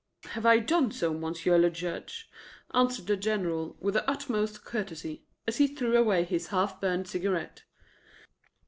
"Have I done so, M. le Juge?" answered the General, with the utmost courtesy, as he threw away his half burned cigarette.